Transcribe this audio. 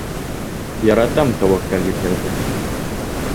Яратам тәүәккәл ирҙәрҙе!